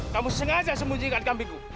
kamu sengaja sembunyi ke kambingku